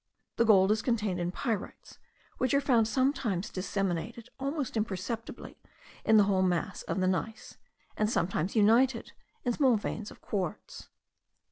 The gold is contained in pyrites, which are found sometimes disseminated almost imperceptibly in the whole mass of the gneiss,* and sometimes united in small veins of quartz.